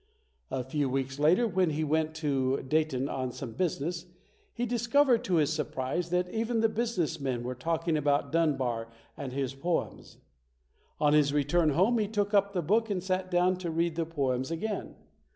A few weeks later when he went to Dayton on some business, he discovered to his surprise that even the business men were talking about Dunbar and his poems. On his return home, he took up the book and sat down to read the poems again.